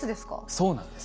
そうなんです。